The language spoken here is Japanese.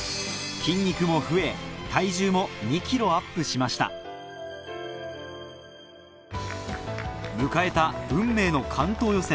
体重も２ｋｇアップしました迎えた運命の関東予選